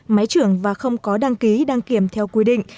máy trưởng và không có đăng ký đăng kiểm theo quy định